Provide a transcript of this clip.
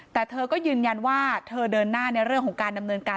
แต่เธอก็ยืนยันว่าเธอเดินหน้าในเรื่องของการดำเนินการ